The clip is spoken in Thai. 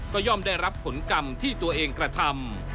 ก็ย่อมได้รับผลกรรมที่ตัวเองกระทำ